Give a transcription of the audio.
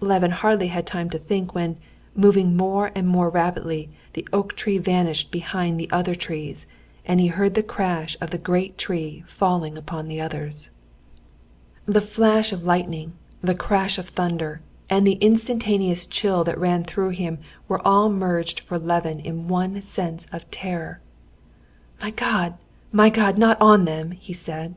Levin hardly had time to think when, moving more and more rapidly, the oak tree vanished behind the other trees, and he heard the crash of the great tree falling upon the others. The flash of lightning, the crash of thunder, and the instantaneous chill that ran through him were all merged for Levin in one sense of terror. "My God! my God! not on them!" he said.